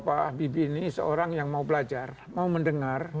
pak habibie ini seorang yang mau belajar mau mendengar